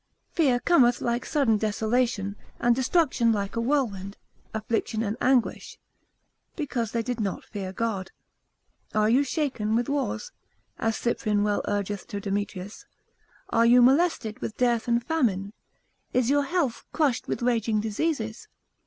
Fear cometh like sudden desolation, and destruction like a whirlwind, affliction and anguish, because they did not fear God. Are you shaken with wars? as Cyprian well urgeth to Demetrius, are you molested with dearth and famine? is your health crushed with raging diseases?